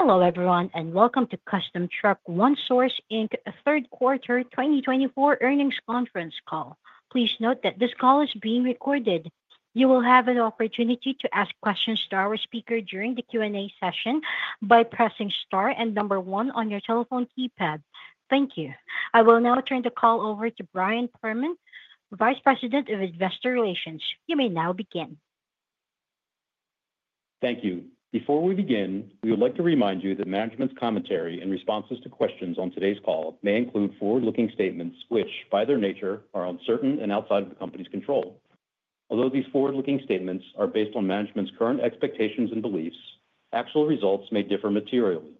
Hello everyone and welcome to Custom Truck One Source Inc. Third Quarter 2024 Earnings Conference Call. Please note that this call is being recorded. You will have an opportunity to ask questions to our speaker during the Q&A session by pressing Star and Number one on your telephone keypad. Thank you. I will now turn the call over to Brian Perman, Vice President of Investor Relations. You may now begin. Thank you. Before we begin, we would like to remind you that management's commentary and responses to questions on today's call may include forward-looking statements which by their nature are uncertain and outside of the company's control. Although these forward-looking statements are based on management's current expectations and beliefs, actual results may differ materially.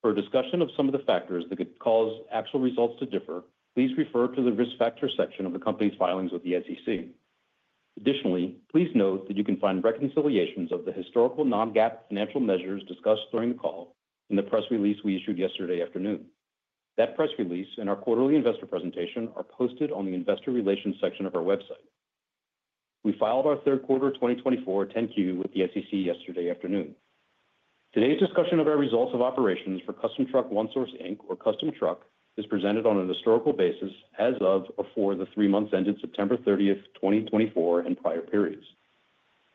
For a discussion of some of the factors that could cause actual results to differ, please refer to the Risk Factors section of the Company's filings with the SEC. Additionally, please note that you can find reconciliations of the historical non-GAAP financial measures discussed during the call in the press release we issued yesterday afternoon. That press release and our quarterly investor presentation are posted on the Investor Relations section of our website. We filed our third quarter 2024 10-Q with the SEC yesterday afternoon. Today's discussion of our results of operations for Custom Truck One Source Inc. or Custom Truck is presented on an historical basis as of and for the three months ended September 30, 2024 and prior periods.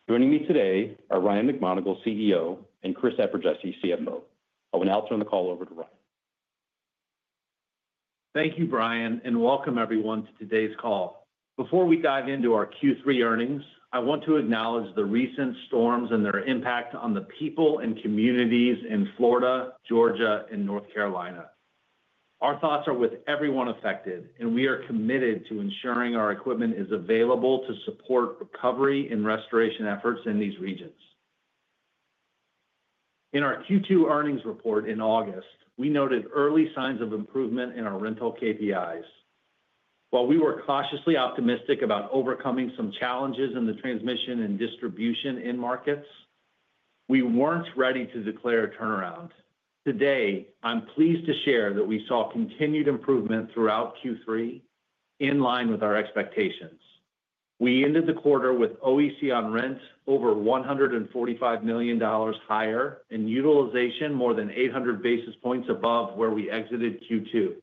Joining me today are Ryan McMonigle, CEO and Chris Eperjesy, CFO. I will now turn the call over to Ryan. Thank you Brian and welcome everyone to today's call. Before we dive into our Q3 earnings, I want to acknowledge the recent storms and their impact on the people and communities in Florida, Georgia and North Carolina. Our thoughts are with everyone affected and we are committed to ensuring our equipment is available to support recovery and restoration efforts in these regions. In our Q2 earnings report in August, we noted early signs of improvement in our rental KPIs. While we were cautiously optimistic about overcoming some challenges in the transmission and distribution end markets, we weren't ready to declare a turnaround today. I'm pleased to share that we saw continued improvement throughout Q3 in line with our expectations. We ended the quarter with OEC on rent over $145 million higher and utilization more than 800 basis points above where we exited Q2.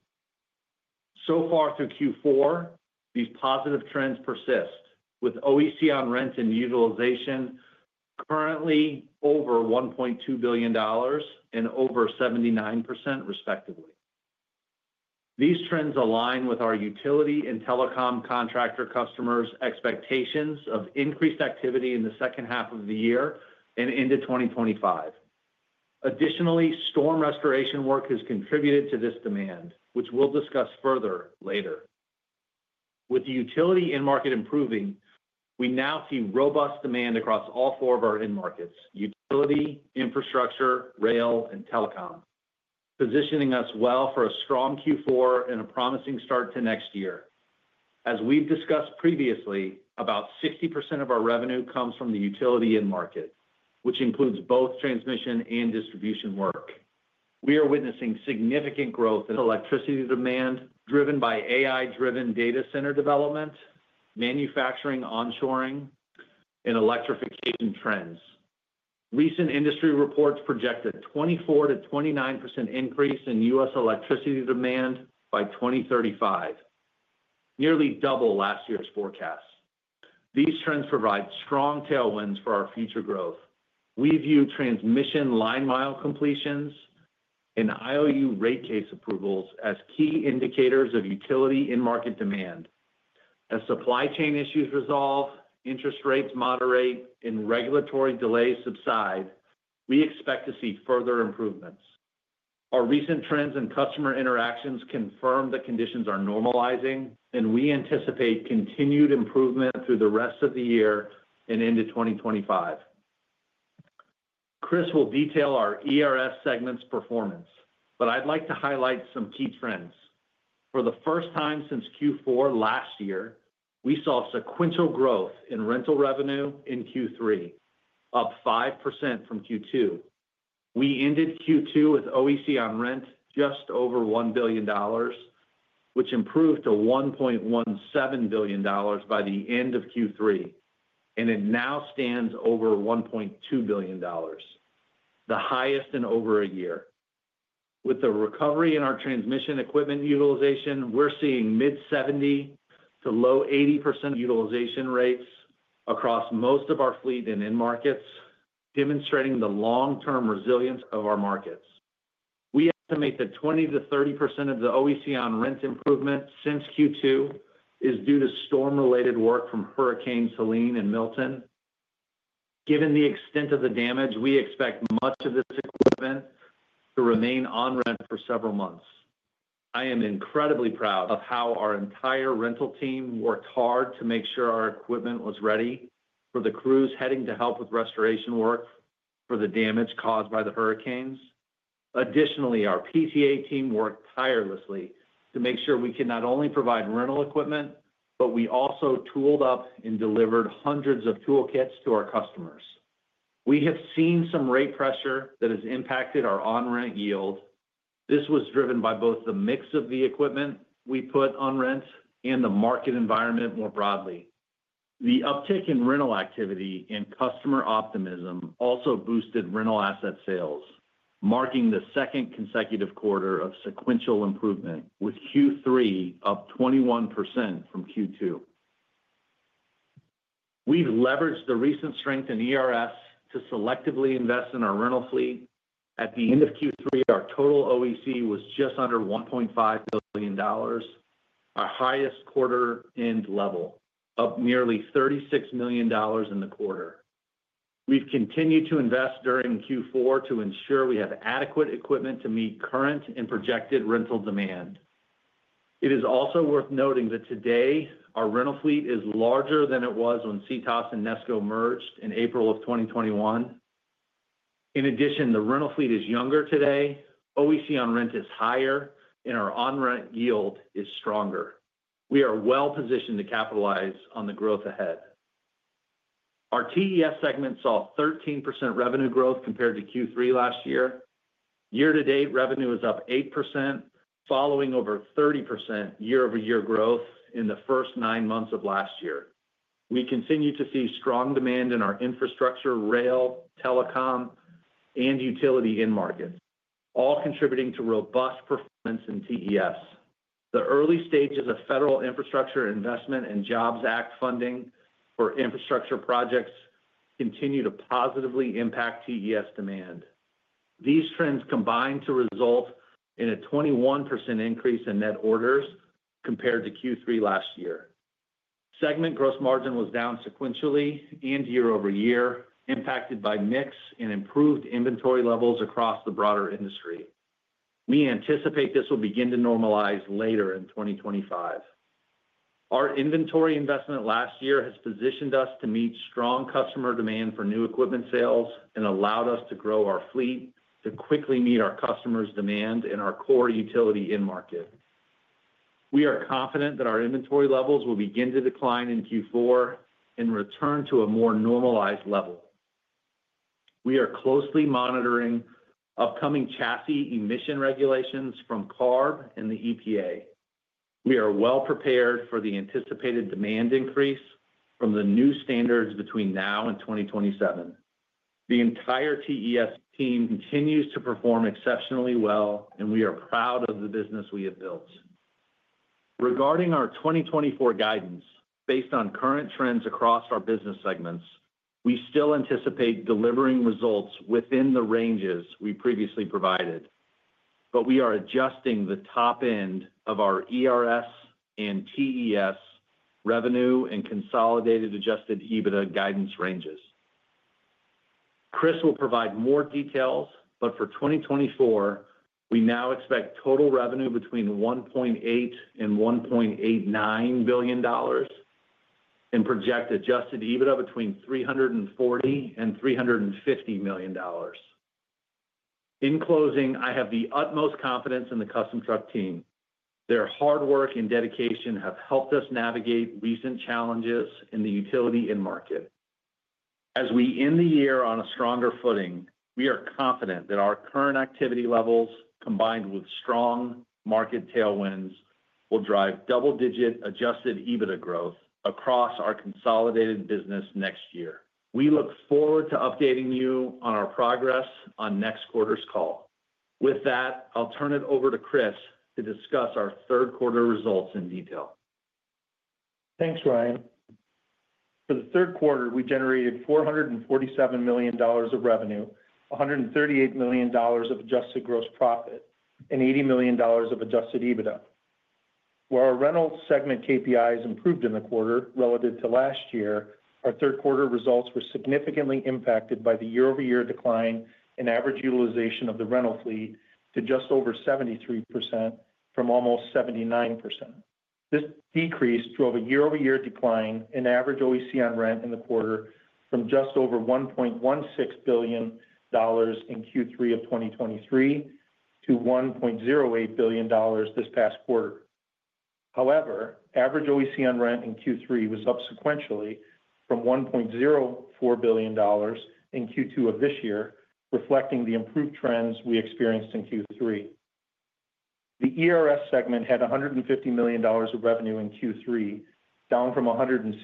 So far through Q4, these positive trends persist with OEC on rent and utilization currently over $1.2 billion and over 79% respectively. These trends align with our utility and telecom contractor customers' expectations of increased activity in the second half of the year and into 2025. Additionally, storm restoration work has contributed to this demand, which we'll discuss further later. With the utility end market improving, we now see robust demand across all four of our end markets, utility, infrastructure, rail, and telecom, positioning us well for a strong Q4 and a promising start to next year. As we've discussed previously, about 60% of our revenue comes from the utility end market, which includes both transmission and distribution work. We are witnessing significant growth in electricity demand driven by AI driven data center development, manufacturing, onshoring and electrification trends. Recent industry reports project a 24%-29% increase in U.S. electricity demand by 2035, nearly double last year's forecast. These trends provide strong tailwinds for our future growth. We view transmission line mile completions and IOU rate case approvals as key indicators of utility in market demand. As supply chain issues resolve, interest rates moderate and regulatory delays subside, we expect to see further improvements. Our recent trends and customer interactions confirm that conditions are normalizing and we anticipate continued improvement through the rest of the year and into 2025. Chris will detail our ERS segments performance, but I'd like to highlight some key trends for the first time since Q4 last year, we saw sequential growth in rental revenue in Q3, up 5% from Q2. We ended Q2 with OEC on rent just over $1 billion, which improved to $1.17 billion by the end of Q3 and it now stands over $1.2 billion, the highest in over a year. With the recovery in our transmission equipment utilization, we're seeing mid-70% to low-80% utilization rates across most of our fleet and end markets, demonstrating the long-term resilience of our markets. We estimate that 20%-30% of the OEC on rent improvement since Q2 is due to storm-related work from Hurricane Helene and Milton. Given the extent of the damage, we expect much of this equipment to remain on rent for several months. I am incredibly proud of how our entire rental team worked hard to make sure our equipment was ready for the crews heading to help with restoration work for the damage caused by the hurricanes. Additionally, our PTA team worked tirelessly to make sure we can not only provide rental equipment, but we also tooled up and delivered hundreds of toolkits to our customers. We have seen some rate pressure that has impacted our on rent yield. This was driven by both the mix of the equipment we put on rent and the market environment more broadly. The uptick in rental activity and customer optimism also boosted rental asset sales, marking the second consecutive quarter of sequential improvement with Q3 up 21% from Q2. We've leveraged the recent strength in ERS to selectively invest in our rental fleet. At the end of Q3 our total OEC was just under $1.5 billion, our highest quarter end level up nearly $36 million in the quarter. We've continued to invest during Q4 to ensure we have adequate equipment to meet current and projected rental demand. It is also worth noting that today our rental fleet is larger than it was when CTOS and Nesco merged in April of 2021. In addition, the rental fleet is younger today, OEC on rent is higher and our on rent yield is stronger. We are well positioned to capitalize on the growth ahead. Our TES segment saw 13% revenue growth compared to Q3 last year. Year to date revenue is up 8% following over 30% year over year growth in the first nine months of last year. We continue to see strong demand in our infrastructure, rail, telecom and utility end markets all contributing to robust performance in TES. The early stages of the Infrastructure Investment and Jobs Act funding for infrastructure projects continue to positively impact TES demand. These trends combine to result in a 21% increase in net orders compared to Q3 last year. Segment gross margin was down sequentially and year over year impacted by mix and improved inventory levels across the broader industry. We anticipate this will begin to normalize later in 2025. Our inventory investment last year has positioned us to meet strong customer demand for new equipment sales and allowed us to grow our fleet to quickly meet our customers' demand in our core utility end market. We are confident that our inventory levels will begin to decline in Q4 and return to a more normalized level. We are closely monitoring upcoming chassis emission regulations from CARB and the EPA. We are well prepared for the anticipated demand increase from the new standards between now and 2027. The entire TES team continues to perform exceptionally well and we are proud of the business we have built regarding our 2024 guidance based on current trends across our business segments. We still anticipate delivering results within the ranges we previously provided, but we are adjusting the top end of our ERS and TES revenue and consolidated adjusted EBITDA guidance ranges. Chris will provide more details, but for 2024 we now expect total revenue between $1.8 billion and $1.89 billion and project adjusted EBITDA between $340 million and $350 million. In closing, I have the utmost confidence in the Custom Truck team. Their hard work and dedication have helped us navigate recent challenges in the utility end market. As we end the year on a stronger footing, we are confident that our current activity levels combined with strong market tailwinds will drive double-digit adjusted EBITDA growth across our consolidated business next year. We look forward to updating you on our progress on next quarter's call. With that, I'll turn it over to Chris to discuss our third quarter results in detail. Thanks Ryan. For the third quarter we generated $447 million of revenue, $138 million of adjusted gross profit and $80 million of adjusted EBITDA. While our rental segment KPIs improved in the quarter relative to last year, our third quarter results were significantly impacted by the year over year decline in average utilization of the rental fleet to just over 73% from almost 79%. This decrease drove a year over year decline in average OEC on rent in the quarter from just over $1.16 billion in Q3 of 2023 to $1.08 billion this past quarter. However, average OEC on rent in Q3 was up sequentially from $1.04 billion in Q2 of this year. Reflecting the improved trends we experienced in Q3, the ERS segment had $150 million of revenue in Q3, down from $167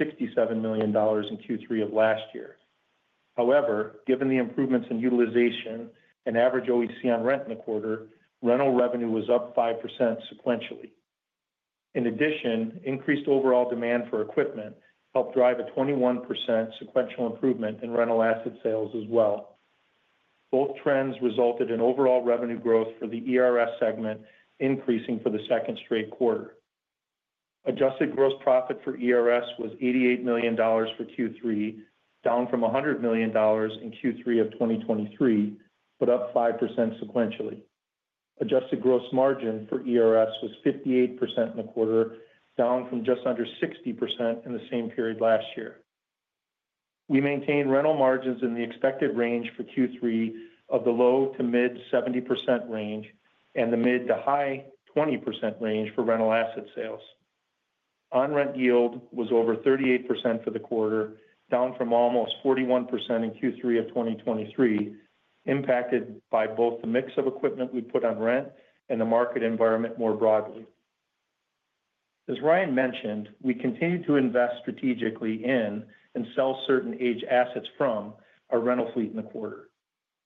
million in Q3 of last year. However, given the improvements in utilization and average OEC on rent in the quarter, rental revenue was up 5% sequentially. In addition, increased overall demand for equipment helped drive a 21% sequential improvement in rental asset sales as well. Both trends resulted in overall revenue growth for the ERS segment increasing for the second straight quarter. Adjusted gross profit for ERS was $88 million for Q3, down from $100 million in Q3 of 2023, but up 5% sequentially. Adjusted gross margin for ERS was 58% in the quarter, down from just under 60% in the same period last year. We maintained rental margins in the expected range for Q3 of the low to mid 70% range and the mid to high 20% range for rental. OEC on-rent yield was over 38% for the quarter, down from almost 41% in Q3 of 2023, impacted by both the mix of equipment we put on rent and the market environment more broadly. As Ryan mentioned, we continue to invest strategically in and sell certain aged assets from our rental fleet in the quarter.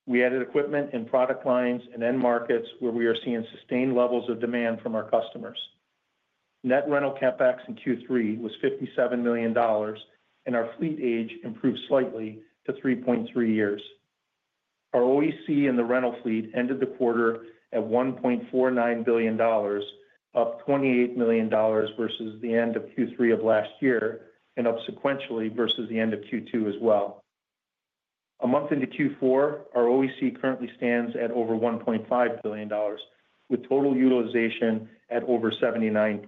We added equipment in product lines and end markets where we are seeing sustained levels of demand from our customers. Net rental CapEx in Q3 was $57 million, and our fleet age improved slightly to 3.3 years. Our OEC in the rental fleet ended the quarter at $1.49 billion, up $28 million versus the end of Q3 of last year and up sequentially versus the end of Q2 as well. A month into Q4, our OEC currently stands at over $1.5 billion with total utilization at over 79%.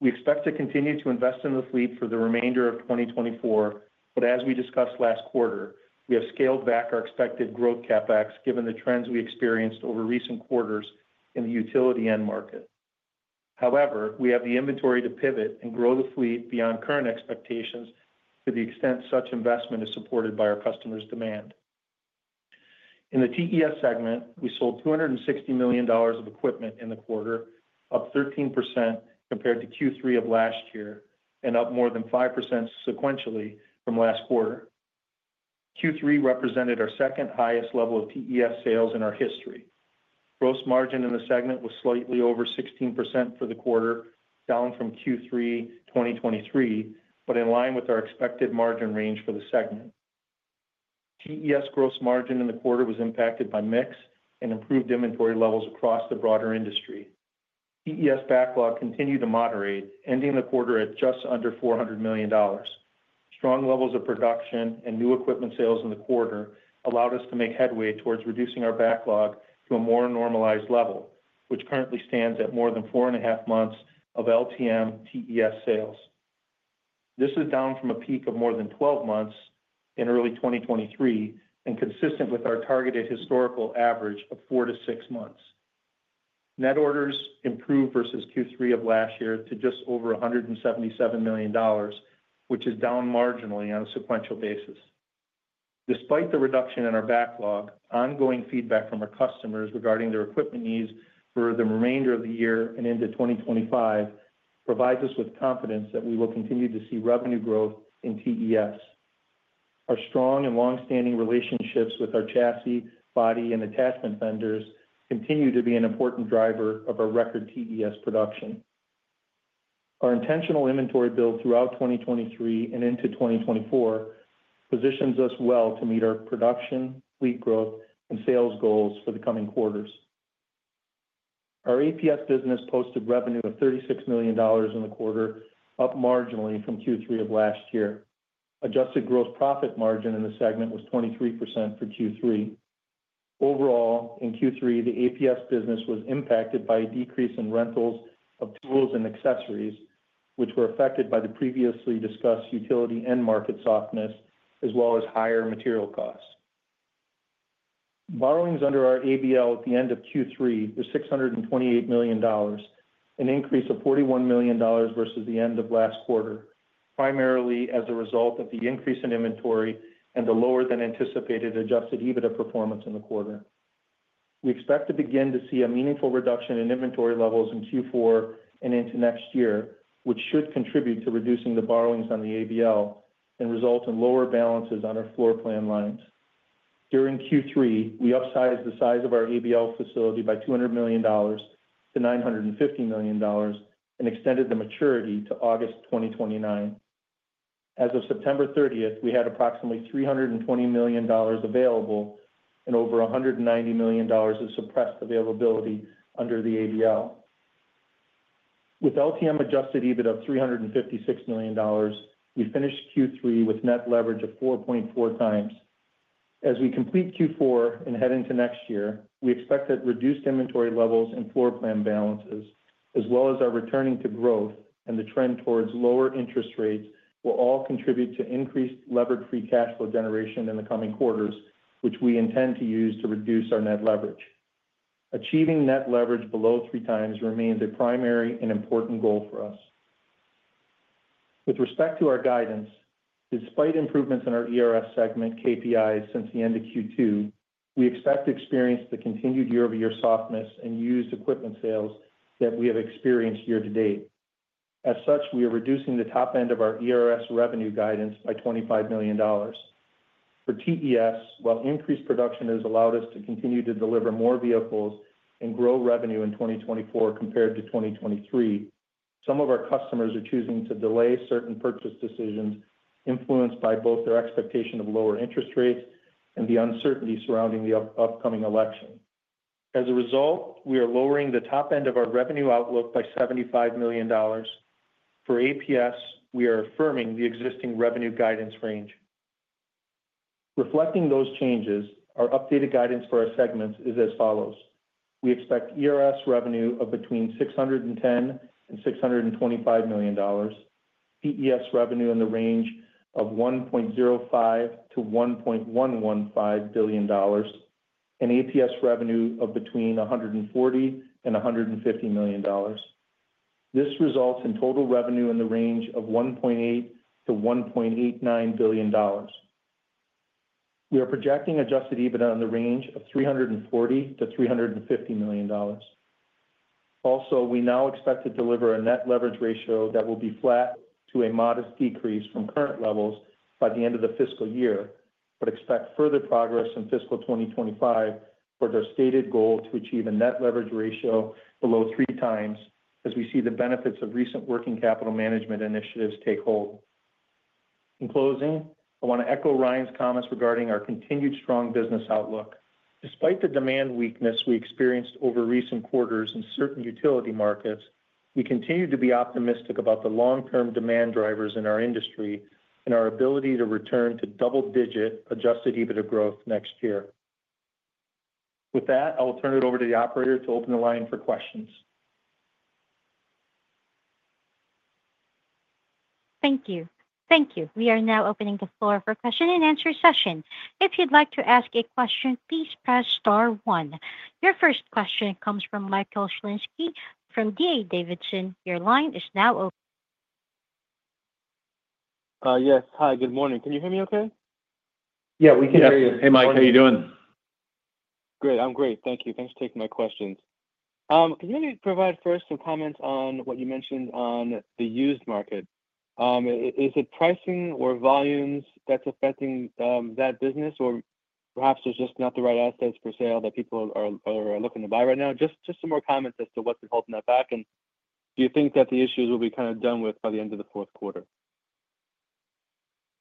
We expect to continue to invest in the fleet for the remainder of 2024, but as we discussed last quarter, we have scaled back our expected growth Capex given the trends we experienced over recent quarters in the utility end market. However, we have the inventory to pivot and grow the fleet beyond current expectations to the extent such investment is supported by our customers demand in the TES segment. We sold $260 million of equipment in the quarter, up 13% compared to Q3 of last year and up more than 5% sequentially from last quarter. Q3 represented our second highest level of TES sales in our history. Gross margin in the segment was slightly over 16% for the quarter, down from Q3 2023, but in line with our expected margin range for the segment. TES gross margin in the quarter was impacted by mix and improved inventory levels across the broader industry. TES backlog continued to moderate, ending the quarter at just under $400 million. Strong levels of production and new equipment sales in the quarter allowed us to make headway towards reducing our backlog to a more normalized level, which currently stands at more than four and a half months of LTM TES sales. This is down from a peak of more than 12 months in early 2023 and consistent with our targeted historical average of four to six months. Net orders improved versus Q3 of last year to just over $177 million, which is down marginally on a sequential basis. Despite the reduction in our backlog, ongoing feedback from our customers regarding their equipment needs for the remainder of the year and into 2025 provides us with confidence that we will continue to see revenue growth in TES. Our strong and long-standing relationships with our chassis, body and attachment vendors continue to be an important driver of our record TES production. Our intentional inventory build throughout 2023 and into 2024 positions us well to meet our production fleet growth and sales goals for the coming quarters. Our APS business posted revenue of $36 million in the quarter, up marginally from Q3 of last year. Adjusted gross profit margin in the segment was 23% for Q3. Overall in Q3, the APS business was impacted by a decrease in rentals of tools and accessories which were affected by the previously discussed utility end market softness as well as higher material costs. Borrowings under our ABL at the end of Q3 were $628 million, an increase of $41 million versus the end of last quarter. Primarily as a result of the increase in inventory and the lower than anticipated Adjusted EBITDA performance in the quarter, we expect to begin to see a meaningful reduction in inventory levels in Q4 and into next year, which should contribute to reducing the borrowings on the ABL and result in lower balances on our floor plan lines. During Q3, we upsized the size of our ABL facility by $200 million to $950 million and extended the maturity to August 2029. As of September 30, we had approximately $320 million available and over $190 million of suppressed availability under the ABL. With LTM Adjusted EBITDA of $356 million, we finished Q3 with net leverage of 4.4 times. As we complete Q4 and head into next year, we expect that reduced inventory levels and floor plan balances as well as our returning to growth and the trend towards lower interest rates will all contribute to increased levered free cash flow generation in the coming quarters, which we intend to use to reduce our net leverage. Achieving net leverage below three times remains a primary and important goal for us. With respect to our guidance: Despite improvements in our ERS segment KPIs since the end of Q2, we expect to experience the continued year over year softness in used equipment sales that we have experienced year to date. As such, we are reducing the top end of our ERS revenue guidance by $25 million for TES. While increased production has allowed us to continue to deliver more vehicles and grow revenue in 2024 compared to 2023, some of our customers are choosing to delay certain purchase decisions influenced by both their expectation of lower interest rates and the uncertainty surrounding the upcoming election. As a result, we are lowering the top end of our revenue outlook by $75 million for APS. We are affirming the existing revenue guidance range reflecting those changes. Our updated guidance for our segments is as follows. We expect ERS revenue of between $610 million and $625 million, TES revenue in the range of $1.05 billion to $1.115 billion, APS revenue of between $140 million and $150 million. This results in total revenue in the range of $1.8 billion to $1.89 billion. We are projecting Adjusted EBITDA in the range of $340 million to $350 million. Also, we now expect to deliver a net leverage ratio that will be flat to a modest decrease from current levels by the end of the fiscal year, but expect further progress in fiscal 2025 for their stated goal to achieve a net leverage ratio below three times as we see the benefits of recent working capital management initiatives take hold. In closing, I want to echo Ryan's comments regarding our continued strong business outlook despite the demand weakness we experienced over recent quarters in certain utility markets. We continue to be optimistic about the long term demand drivers in our industry and our ability to return to double digit adjusted EBITDA growth next year. With that, I will turn it over to the operator to open the line for questions. Thank you. Thank you. We are now opening the floor for question and answer session. If you'd like to ask a question, please press star one. Your first question comes from Mike Shlisky from D.A. Davidson. Your line is now open. Yes, hi, good morning. Can you hear me okay? Yeah, we can hear you. Hey Mike, how you doing? Great. I'm great, thank you. Thanks for taking my questions. Can you provide first some comments on what you mentioned on the used market? Is it pricing or volumes that's affecting that business? Or perhaps there's just not the right assets for sale that people are looking to buy right now? Just some more comments as to what's been holding that back. Do you think that the issues? Will be kind of done with by the end of the fourth quarter?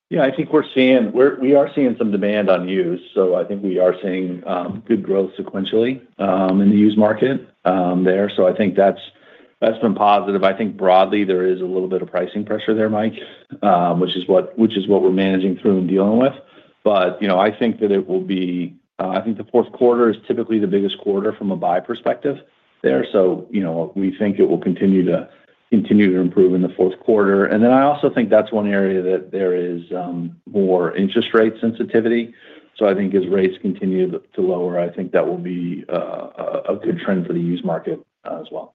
Yeah, I think we're seeing some demand on used. So I think we are seeing good growth sequentially in the used market there. So I think that's been positive. I think broadly there is a little bit of pricing pressure there, Mike, which is what we're managing through and dealing with. But you know, I think the fourth quarter is typically the biggest quarter from a buy perspective there. So, you know, we think it will continue to improve in the fourth quarter. And then I also think that's one area that there is more interest rate sensitivity. So I think as rates continue to lower, I think that will be a good trend for the used market as well.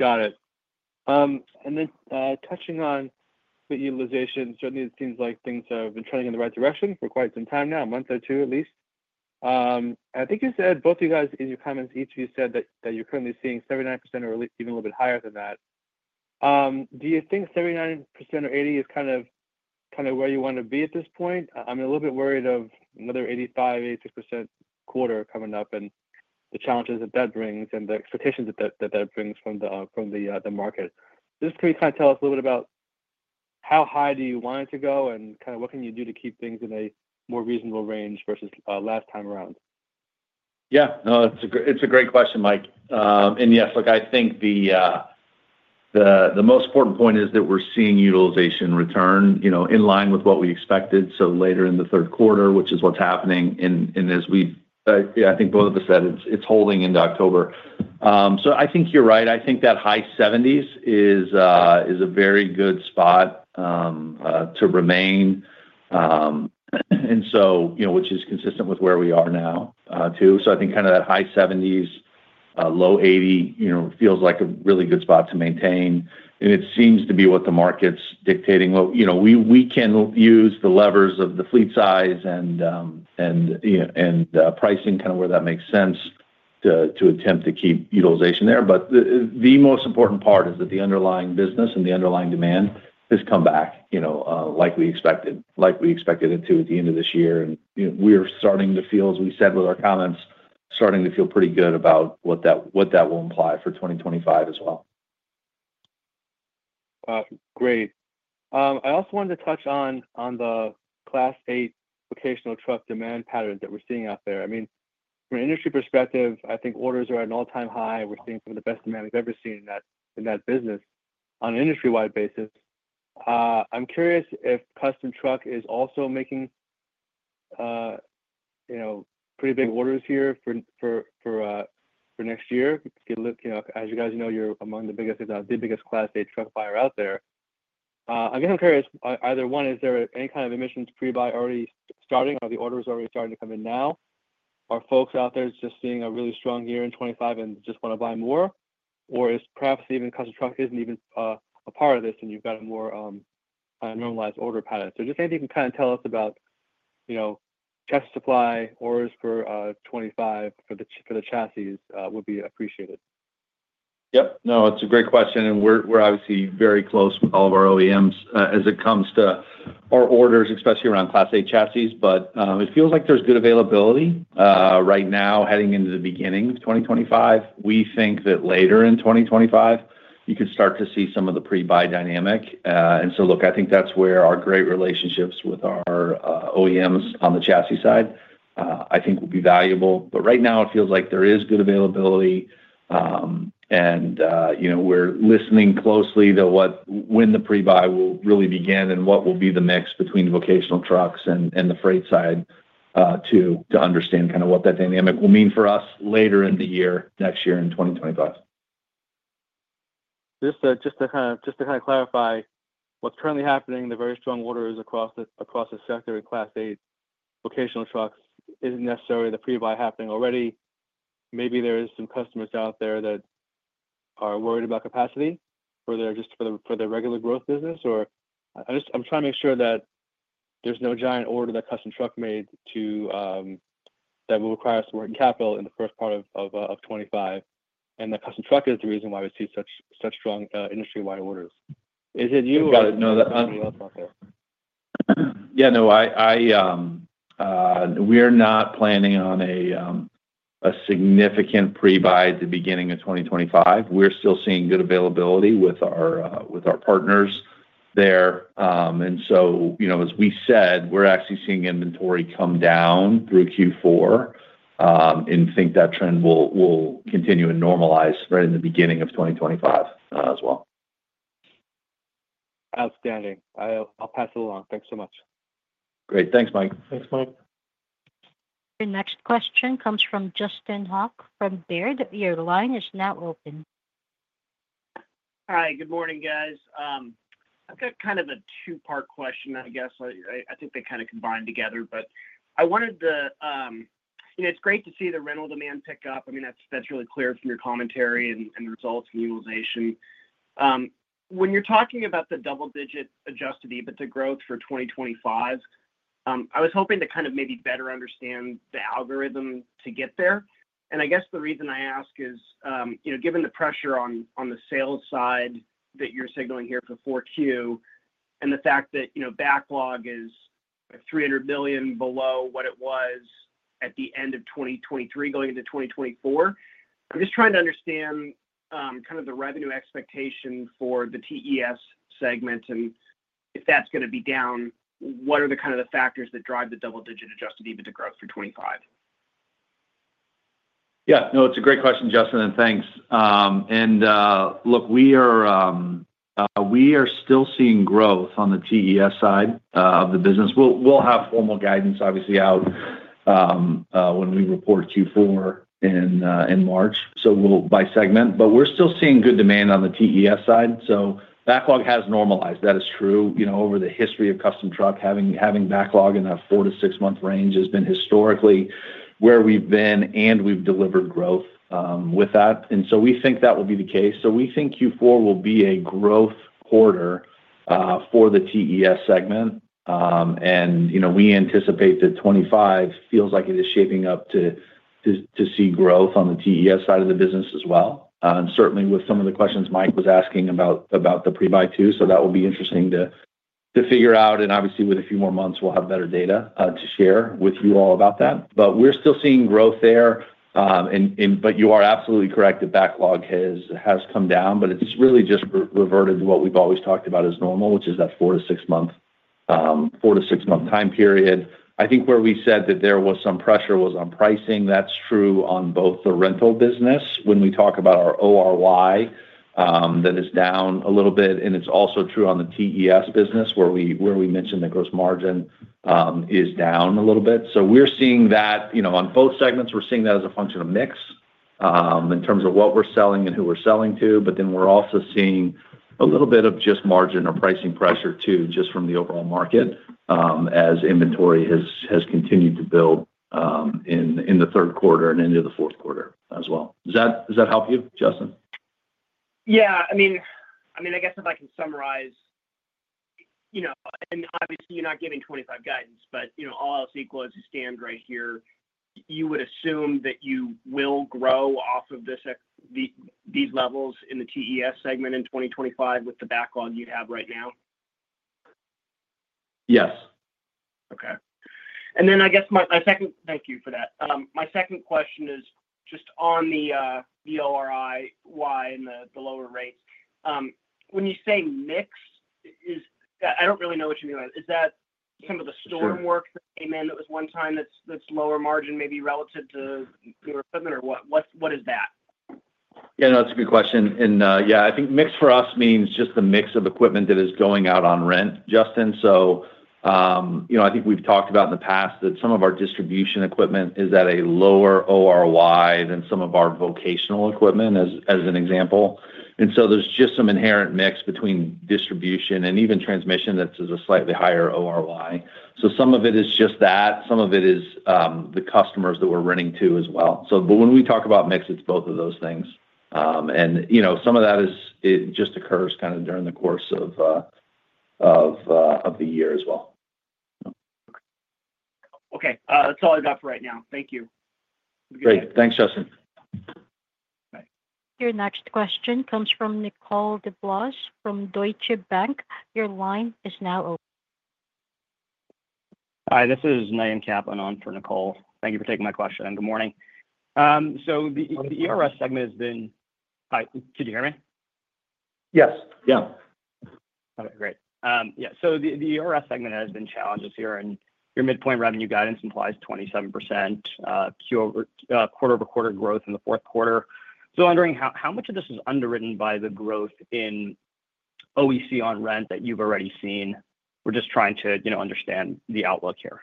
Got it. And then touching on the utilization, certainly it seems like things have been trending in the right direction for quite some time now, a month or two at least. I think you said, both of you guys in your comments, each of you said that you're currently seeing 79% or even a little bit higher than that. Do you think 79% or 80% is kind of where you want to be at this point? I'm a little bit worried of another 85%-86% quarter coming up and the challenges that that brings and the expectations that that brings from the, from the market. Just, can you kind of tell us. A little bit about how high do. You want it to go and kind of what can you do to keep things in a more reasonable range versus last time around? Yeah, it's a great question, Mike, and yes, look, I think the most important point is that we're seeing utilization return, you know, in line with what we expected. So later in the third quarter, which is what's happening now as we, I think both of us said it's holding in October. So I think you're right. I think that high 70s is a very good spot to remain, and so, you know, which is consistent with where we are now too. So I think kind of that high 70s, low 80, you know, feels like a really good spot to maintain, and it seems to be what the market's dictating. Well, you know, we can use the levers of the fleet size and pricing kind of where that makes sense to attempt to keep utilization there. But the most important part is that the underlying business and the underlying demand has come back, you know, like we expected, like we expected it to at the end of this year. And we are starting to feel, as we said with our comments, starting to feel pretty good about what that, what that will imply for 2025 as well. Great. I also wanted to touch on the Class eight vocational truck demand patterns that we're seeing out there. I mean from an industry perspective, I think orders are at an all-time high. We're seeing some of the best demand we've ever seen that in that business on an industry-wide basis. I'm curious if Custom Truck is also making, you know, pretty big orders here for next year. You know, as you guys know, you're among the biggest Class eight truck buyer out there. I'm curious either one. Is there any kind of emissions pre-buy already starting? Are the orders already starting to come in now? Are folks out there just seeing a really strong year in 25 and just want to buy more or is perhaps even Custom Truck isn't even a part of this and you've got a more normalized order pattern? So just anything you can kind of tell us about, you know, chassis supply orders for 25 for the chassis would be appreciated. Yep. No, it's a great question and we're obviously very close with all of our OEMs as it comes to our orders, especially around Class eight chassis. But it feels like there's good availability right now heading into the beginning of 2025. We think that later in 2025 you could start to see some of the pre-buy dynamic. And so look, I think that's where our great relationships with our OEMs on the chassis side I think will be valuable. But right now it feels like there is good availability and we're listening closely to when the pre-buy will really begin and what will be the mix between vocational trucks and the freight side to understand kind of what that dynamic will mean for us later in the year, next year, in 2025. This just to kind of clarify what's currently happening, the very strong orders across the sector in Class eight vocational trucks isn't necessarily the pre-buy happening already. Maybe there is some customers out there that are worried about capacity just for their regular growth business or. I just, I'm trying to make sure. That there's no giant order that Custom Truck made to, that will require us to working capital in the first part of 2025. And the Custom Truck is the reason why we see such strong industry-wide orders. Is it? You. No, we are not planning on a significant pre-buy at the beginning of 2025. We're still seeing good availability with our partners there. And so you know, as we said, we're actually seeing inventory come down through Q4 and think that trend will continue and normalize right in the beginning of 2025 as well. Outstanding. I'll pass it along. Thanks so much. Great. Thanks Mike. Thanks Mike. Your next question comes from Justin Hauke from Baird. Your line is now open. Hi, good morning guys. I've got kind of a two-part question, I guess. I think they kind of combine together, but I wanted to. It's great to see the rental demand pick up. I mean, that's really clear from your commentary and results and utilization. When you're talking about the double-digit Adjusted EBITDA growth for 2025, I was hoping to kind of maybe better understand the algorithm to get there. And I guess the reason I ask is given the pressure on the sales side that you're signaling here for 4Q and the fact that backlog is $300 million below what it was at the end of 2023, going into 2024. I'm just trying to understand kind of the revenue expectation for the TES segment and if that's going to be down, what are the kind of the factors that drive the double-digit Adjusted EBITDA growth for 2025? Yeah, no, it's a great question Justin, and thanks. And look we are, we are still seeing growth on the TES side of the business. We'll have formal guidance obviously out when we report Q4 in March. So we'll break by segment but we're still seeing good demand on the TES side. So backlog has normalized. That is true over the history of Custom Truck having backlog in that four to six month range has been historically where we've been and we've delivered growth with that and so we think that will be the case. So we think Q4 will be a growth quarter for the TES segment and you know, we anticipate that 25 feels like it is shaping up to see growth on the TES side of the business as well and certainly with some of the questions Mike was asking about, about the pre-buy too. That will be interesting to figure out and obviously with a few more months we'll have better data to share with you all about that. But we're still seeing growth there. But you are absolutely correct, the backlog has come down but it's really just reverted to what we've always talked about as normal which is that four-to-six-month time period. I think where we said that there was some pressure was on pricing. That's true on both the rental business when we talk about our ORY that is down a little bit. And it's also true on the TES business where we mentioned the gross margin is down a little bit. So we're seeing that on both segments. We're seeing that as a function of mix in terms of what we're selling and who we're selling to. But then we're also seeing a little bit of just margin or pricing pressure too just from the overall market as inventory has continued to build in the third quarter and into the fourth quarter as well. Does that help you, Justin? Yeah, I mean, I mean I guess if I can summarize, you know, and obviously you're not giving 2025 guidance, but you know, all else equals stand right here. You would assume that you will grow off of this. These levels in the TES segment in 2025 with the backlog you have right now. Yes. Okay. Then I guess my second. Thank you for that. My second question is just on the ORY and the lower rates when you say mix is. I don't really know what you mean. Is that some of the storm work that came in, that was one time? That's, that's lower margin maybe relative to. What is that? Yeah, that's a good question. And yeah, I think mix for us means just the mix of equipment that is going out on rent, Justin. So, you know, I think we've talked about in the past that some of our distribution equipment is at a lower ORY than some of our vocational equipment as an example. And so there's just some inherent mix between distribution and even transmission that is a slightly higher ORY. So. So some of it is just that. Some of it is the customers that we're renting to as well. But when we talk about mix, it's both of those things. And you know, some of that is it just occurs kind of during the course of the year as well. Okay, that's all I've got for right now. Thank you. Great, thanks, Justin. Your next question comes from Nicole DeBlase from Deutsche Bank. Your line is now open. Hi, this is Nayan Kaplan on for Nicole. Thank you for taking my question. Good morning. So the ERS segment has been. Can you hear me? Yes. Yeah Great. Yeah. So the ERS segment has been challenged here, and your midpoint revenue guidance implies 27% Q over quarter over quarter growth. In the fourth quarter. So, wondering how much of this is underwritten by the growth in OEC on rent that you've already seen. We're just trying to understand the outlook here.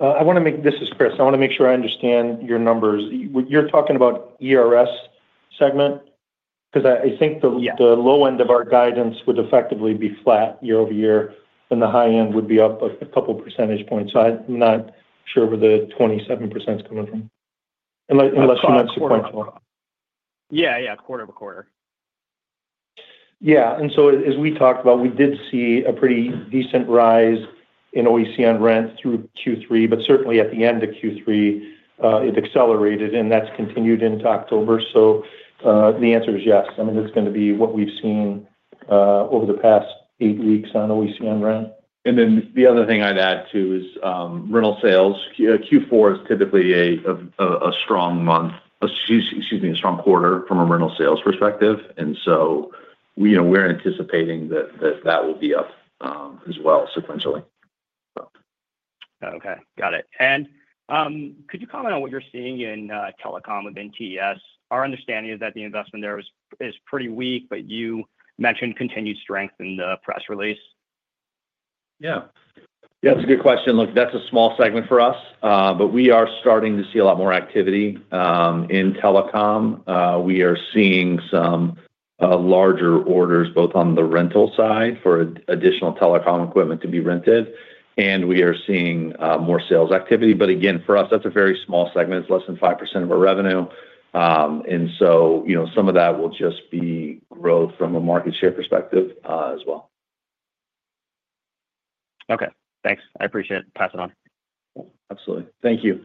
I want to make. This is Chris. I want to make sure I understand your numbers. You're talking about ERS segment because I think the low end of our guidance would effectively be flat year over year and the high end would be up a couple percentage points. So I'm not sure where the 27% is coming from, unless you meant sequential. Yeah, yeah. Quarter-over-quarter. Yeah. And so as we talked about, we did see a pretty decent rise in OEC on rent through Q3, but certainly at the end of Q3 it accelerated and that's continued into October. So the answer is yes. I mean, it's going to be what we've seen over the past eight weeks on OEC on rent. The other thing I'd add to is rental sales. Q4 is typically a strong month. Excuse me. A strong quarter from a rental sales perspective. And so we're anticipating that that will be up as well, sequentially. Okay, got it. And could you comment on what you're seeing in telecom within TES? Our understanding is that the investment there is pretty weak. But you mentioned continued strength in the press release. Yeah, yeah, that's a good question. Look, that's a small segment for us, but we are starting to see a lot more activity in telecom, seeing some larger orders both on the rental side for additional telecom equipment to be rented. And we are seeing more sales activity. But again, for us, that's a very small segment. It's less than 5% of our revenue. And so, you know, some of that will just be growth from a market share perspective as well. Okay, thanks. I appreciate it. Pass it on. Absolutely. Thank you.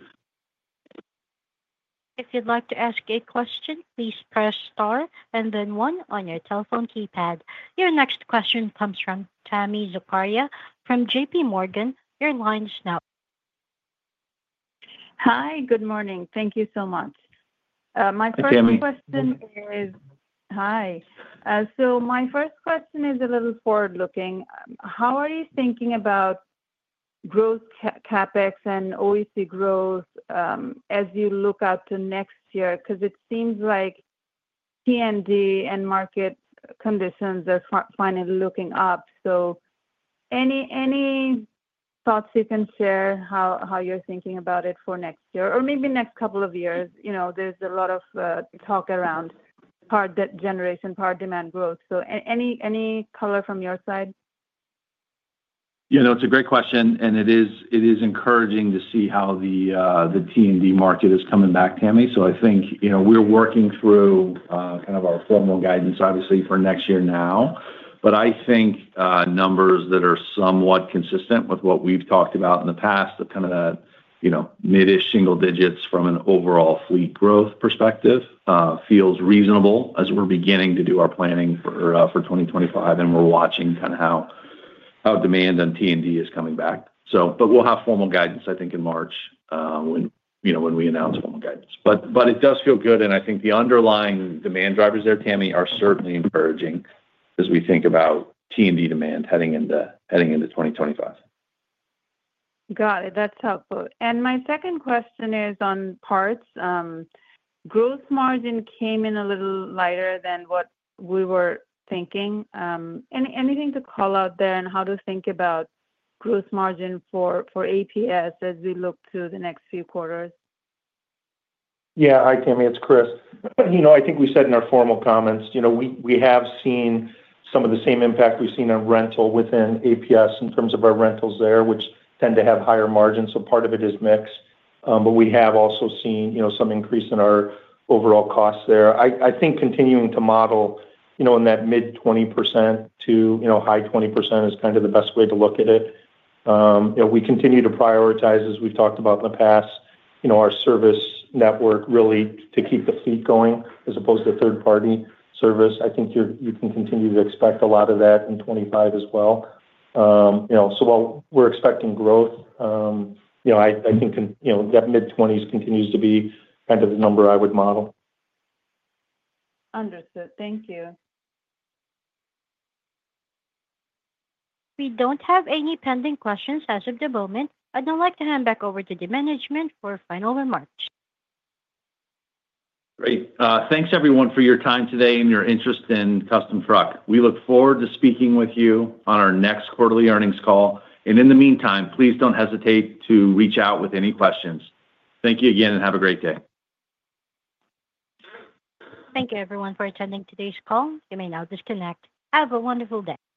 If you'd like to ask a question, please press star and then one on your telephone keypad. Your next question comes from Tami Zakaria from J.P. Morgan. Your line is now. Hi, good morning. Thank you so much. My first question is. Hi. So my first question is a little forward looking. How are you thinking about growth, Capex and OEC growth as you look out to next year? Because it seems like T&D and market conditions are finally looking up. So any thoughts you can share how you're thinking about it for next year or maybe next couple of years? There's a lot of talk around power generation, power demand growth. So any color from your side? You know, it's a great question and it is encouraging to see how the T&D market is coming back, Tammy. So I think, you know, we're working through kind of our formal guidance obviously for next year now, but I think numbers that are somewhat consistent with what we've talked about in the past, you know, mid-ish single digits from an overall fleet growth perspective feels reasonable as we're beginning to do our planning for 2025. And we're watching kind of how demand on T&D is coming back. So. But we'll have formal guidance, I think in March when, you know, we announce formal guidance. But it does feel good. And I think the underlying demand drivers there, Tammy, are certainly encouraging as we think about T&D demand heading into 2025. Got it. That's helpful. And my second question is on parts gross margin, came in a little lighter than what we were thinking. Anything to call out there and how to think about gross margin for APS as we look through the next few quarters? Yeah. Hi, Tammy. It's Chris. You know, I think we said in our formal comments, you know, we have seen some of the same impact we've seen on rental within APS in terms of our rentals there, which tend to have higher margins. So part of it is mix. But we have also seen, you know, some increase in our overall costs there. I think continuing to model, you know, in that mid-20% to, you know, high-20% is kind of the best way to look at it. We continue to prioritize, as we've talked about in the past, you know, our service network really to keep the fleet going as opposed to third party service. I think you can continue to expect a lot of that in 2025 as well, you know. While we're expecting growth, you know, I think, you know, that mid-20s continues to be kind of the number I would model. Understood, thank you. We don't have any pending questions as of the moment. I'd like to hand back over to the management for final remarks. Great. Thanks, everyone, for your time today and your interest in Custom Truck One Source. We look forward to speaking with you on our next quarterly earnings call. And in the meantime, please don't hesitate to reach out with any questions. Thank you again and have a great day. Thank you everyone for attending today's call. You may now disconnect. Have a wonderful day.